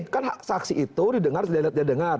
karena saksi itu didengar dia lihat dia dengar